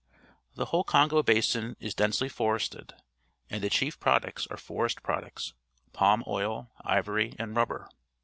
The whole Congo basin is densely forested, and the chief products are forest products — palm oil, ivory, and rubber.